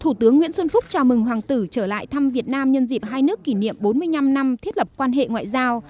thủ tướng nguyễn xuân phúc chào mừng hoàng tử trở lại thăm việt nam nhân dịp hai nước kỷ niệm bốn mươi năm năm thiết lập quan hệ ngoại giao